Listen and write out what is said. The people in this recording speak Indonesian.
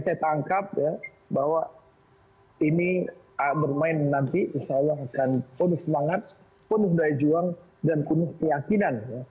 saya tangkap ya bahwa ini bermain nanti insya allah akan penuh semangat penuh daya juang dan penuh keyakinan